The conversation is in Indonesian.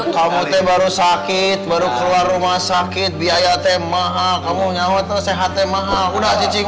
kamu baru sakit baru keluar rumah sakit biaya te maha kamu nyawet sehatnya maha udah cacing